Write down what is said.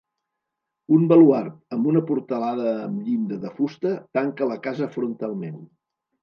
Un baluard amb una portalada amb llinda de fusta tanca la casa frontalment.